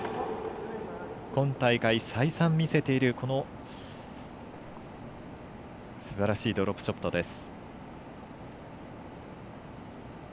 今大会、再三見せているすばらしいドロップショットです。